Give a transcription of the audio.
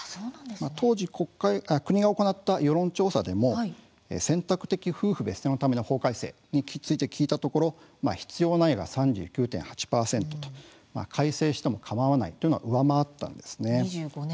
当時、国が行った世論調査でも選択的夫婦別姓のための法改正について聞いたところ必要ないが３９．８％と改正してもかまわないというのを上回ったんです。